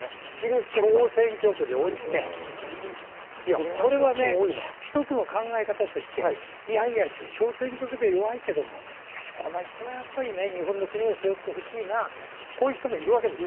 小選挙区で落ちて、これは一つの考え方として小選挙区で弱いけど、この人はやっぱり日本の国を背負ってほしいなという人もいるわけです。